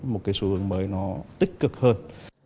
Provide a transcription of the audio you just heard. một cái xu hướng mới nó tích cực hơn